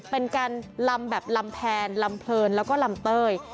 เป็นการลำแบบลำแพนลำเพลินแล้วก็ลำเต้ย